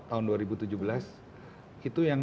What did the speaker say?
tahun dua ribu tujuh belas itu yang